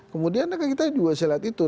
kemudian kita juga saya lihat itu